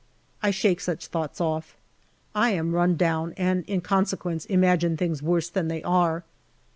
I shake such thoughts off. I am run down, and in consequence imagine things worse than they are.